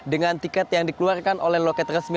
dengan tiket yang dikeluarkan oleh loket resmi